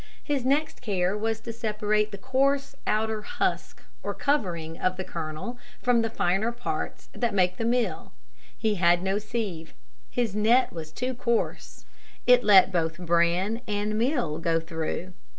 His next care was to separate the coarse outer husk or covering of the kernel from the finer parts that make the meal. He had no sieve. His net was too coarse. It let both bran and meal go through.